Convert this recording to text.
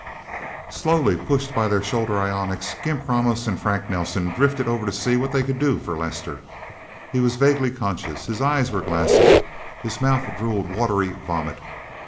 Slowly, pushed by their shoulder ionics, Gimp, Ramos and Frank Nelsen drifted over to see what they could do for Lester. He was vaguely conscious, his eyes were glassy, his mouth drooled watery vomit.